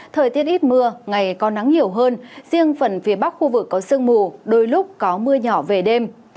thời tiết ít mưa ngày có nắng nhiều hơn riêng phần phía bắc khu vực có sương mù đôi lúc có mưa nhỏ về đêm